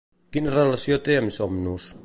Quina relació té amb Somnus?